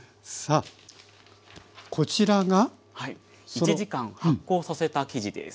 １時間発酵させた生地です。